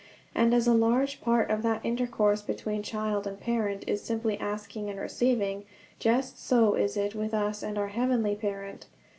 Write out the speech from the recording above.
And as a large part of that intercourse between child and parent is simply asking and receiving, just so is it with us and our Heavenly Parent.